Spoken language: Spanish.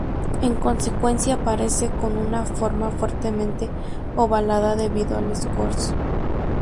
En consecuencia, aparece con una forma fuertemente ovalada debido al escorzo.